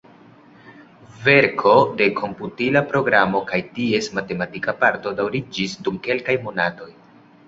Verko de komputila programo kaj ties matematika parto daŭriĝis dum kelkaj monatoj.